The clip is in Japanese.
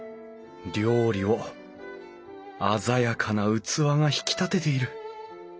料理を鮮やかな器が引き立てている。